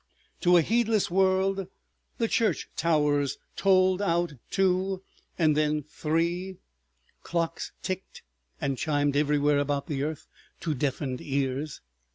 To a heedless world the church towers tolled out two and then three. Clocks ticked and chimed everywhere about the earth to deafened ears.